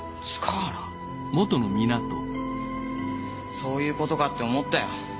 そういうことかって思ったよ。